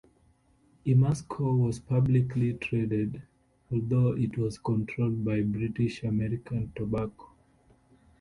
Imasco was publicly traded, although it was controlled by British American Tobacco.